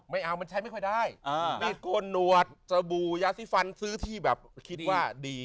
ไม่เอามันใช้ไม่ค่อยได้มีโกนหนวดสบู่ยาสีฟันซื้อที่แบบคิดว่าดี